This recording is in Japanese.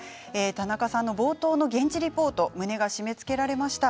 田中さんの冒頭の現地リポート胸が締めつけられました。